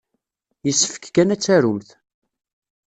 Yessefk kan ad tarumt.